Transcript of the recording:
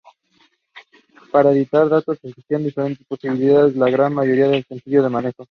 Para editar los datos existen diferentes posibilidades, la gran mayoría de sencillo manejo.